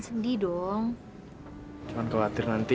gak pengen bers sarah kayak bener bener